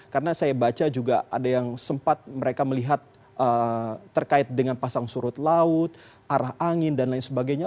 karena saya baca juga ada yang sempat mereka melihat terkait dengan pasang surut laut arah angin dan lain sebagainya